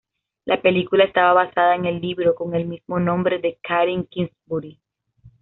La película está basada en el libro con el mismo nombre de Karen Kingsbury.